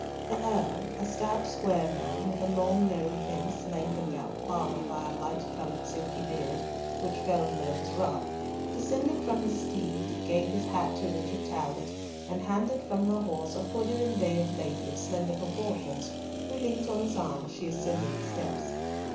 The Earl, a stout, square man, with a long narrow face, lengthened out farther by a light coloured, silky beard, which fell below his ruff, descended from his steed, gave his hat to Richard Talbot, and handed from her horse a hooded and veiled lady of slender proportions, who leant on his arm as she ascended the steps.